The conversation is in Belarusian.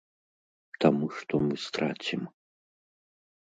Таму што мы страцім.